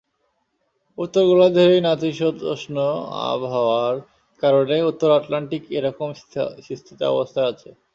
উত্তর গোলার্ধের এই নাতিশীতোষ্ণ আবহাওয়ার কারণেই উত্তর আটলান্টিক এরকম স্থিতাবস্থায় আছে।